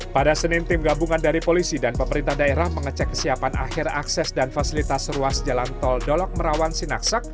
pada senin tim gabungan dari polisi dan pemerintah daerah mengecek kesiapan akhir akses dan fasilitas ruas jalan tol dolok merawan sinaksak